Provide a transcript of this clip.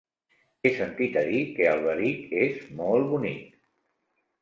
He sentit a dir que Alberic és molt bonic.